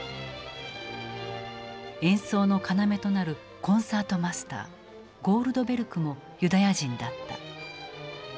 演奏の要となるコンサートマスターゴールドベルクもユダヤ人だった。